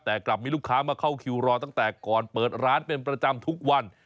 แต่กลับมีลูกค้ามาเข้าคิวรอตั้งแต่ก่อนเปิดร้านเป็นประจำทุกวัน